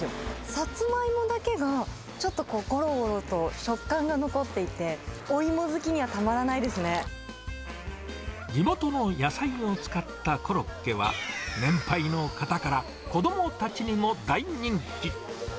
サツマイモだけが、ちょっとごろごろと、食感が残っていて、地元の野菜を使ったコロッケは、年配の方から子どもたちにも大人気。